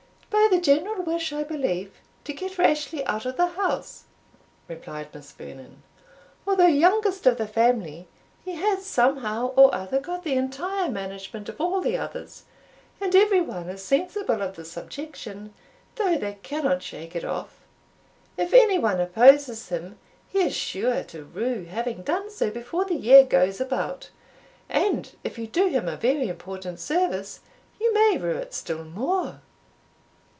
"By the general wish, I believe, to get Rashleigh out of the house," replied Miss Vernon. "Although youngest of the family, he has somehow or other got the entire management of all the others; and every one is sensible of the subjection, though they cannot shake it off. If any one opposes him, he is sure to rue having done so before the year goes about; and if you do him a very important service, you may rue it still more."